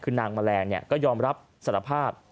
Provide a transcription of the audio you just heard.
คือนางแมลงก็ยอมรับสารภาพ